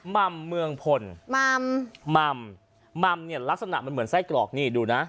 มัมเมืองพลมัมมัมมัมเนี่ยลักษณะมันเหมือนไส้กรอกนี่ดูนะ